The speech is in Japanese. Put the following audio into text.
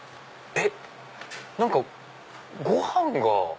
えっ⁉何かご飯が。